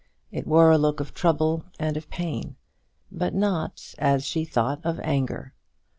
It wore a look of trouble and of pain, but not, as she thought, of anger.